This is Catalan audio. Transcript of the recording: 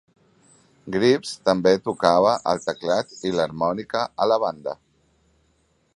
Greaves també tocava el teclat i l'harmònica a la banda.